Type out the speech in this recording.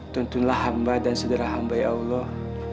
tuntunlah hamba dan sederhana hamba ya allah